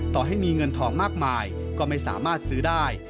ต่อให้มีเงินทองมากมายก็ไม่สามารถซื้อได้